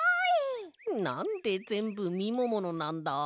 なんでぜんぶみもものなんだ？